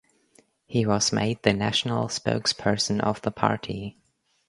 He was made the National Spokesperson of the party.